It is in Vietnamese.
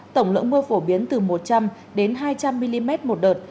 tổng lượng mưa phổ biến từ một trăm linh đến hai trăm linh mm một đợt